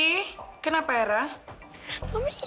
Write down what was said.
mami aku udah berhasil dapetin glenn ya kan